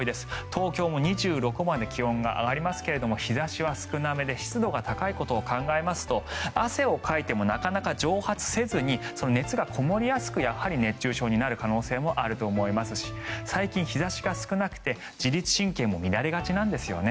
東京も２６度まで気温が上がりますが日差しは少なめで湿度が高いことを考えますと汗をかいてもなかなか蒸発せずに熱がこもりやすく熱中症になる可能性もあると思いますし最近、日差しが少なくて自律神経が乱れがちなんですよね。